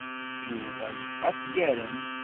Yuba yebɣa ad t-yarem.